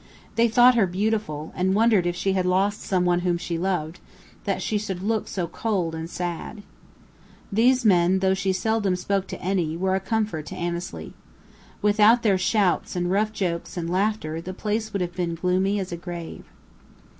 They thought her beautiful, and wondered if she had lost someone whom she loved, that she should look so cold and sad. These men, though she seldom spoke to any, were a comfort to Annesley. Without their shouts and rough jokes and laughter the place would have been gloomy as a grave.